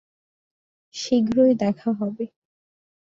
শীঘ্রই দেখা হবে।